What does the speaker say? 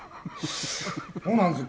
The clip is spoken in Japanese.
「そうなんですよ。